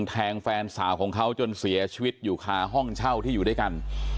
แทงแฟนสาวของเขาจนเสียชีวิตอยู่คาห้องเช่าที่อยู่ด้วยกัน